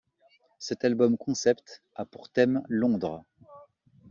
Cet album-concept a pour thème Londres.